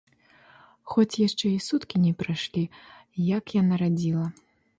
Хоць яшчэ і суткі не прайшлі, як я нарадзіла.